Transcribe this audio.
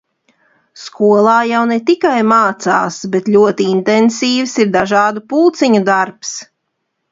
Skolā jau ne tikai mācās, bet ļoti intensīvs ir dažādu pulciņu darbs.